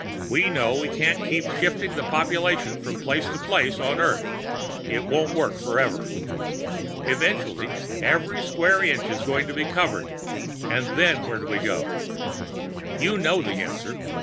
We know we can't keep shifting population from place to place on Earth; it won't work forever. Eventually every square inch is going to be covered, and then where do we go? "You know the answer.